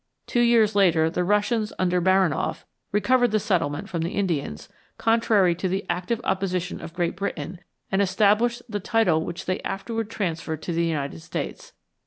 Two years later the Russians under Baranoff recovered the settlement from the Indians, contrary to the active opposition of Great Britain, and established the title which they afterward transferred to the United States.